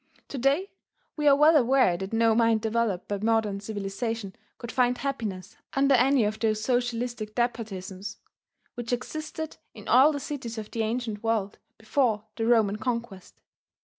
To day we are well aware that no mind developed by modern civilization could find happiness under any of those socialistic despotisms which existed in all the cities of the ancient world before the Roman conquest.